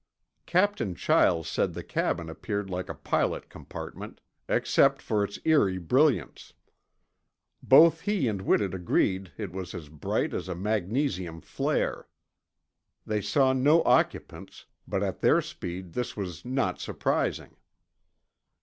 Captain Chiles said the cabin appeared like a pilot compartment, except for its eerie brilliance. Both he and Whitted agreed it was as bright as a magnesium flare. They saw no occupants, but at their speed this was not. surprising.